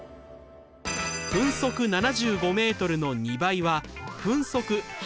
分速７５ｍの２倍は分速１５０ｍ。